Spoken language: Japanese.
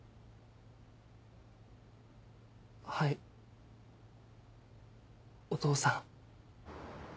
はいお父さん。